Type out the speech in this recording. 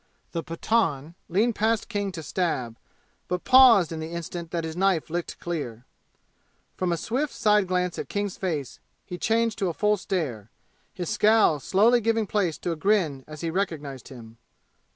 The Pathan leaned past King to stab, but paused in the instant that his knife licked clear. From a swift side glance at King's face be changed to full stare, his scowl slowly giving place to a grin as he recognized him.